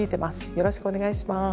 よろしくお願いします。